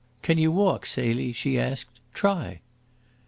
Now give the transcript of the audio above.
"Can you walk, Celie?" she asked. "Try!"